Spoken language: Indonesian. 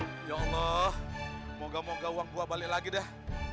hai iya allah semoga moga uang gua balik lagi dah